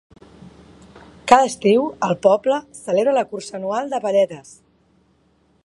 Cada estiu, el poble celebra la cursa anual de palletes.